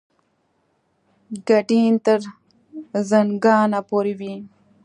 ګډین تر زنګانه پورې وي.